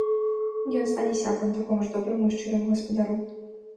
Ён стане сябрам такому ж добраму і шчыраму гаспадару.